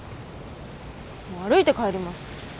もう歩いて帰ります。